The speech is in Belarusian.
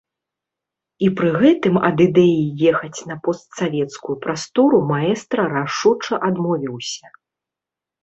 І пры гэтым ад ідэі ехаць на постсавецкую прастору маэстра рашуча адмовіўся.